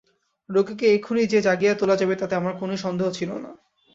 রোগীকে এখুনি যে জাগিয়ে তোলা যাবে তাতে আমার কোনোই সন্দেহ ছিল না।